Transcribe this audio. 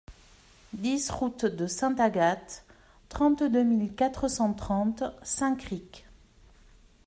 dix route de Sainte-Agathe, trente-deux mille quatre cent trente Saint-Cricq